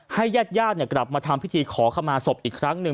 ให้แยกญาติเนี่ยกลับมาทำพิธีขอเข้ามาศพอีกครั้งนึง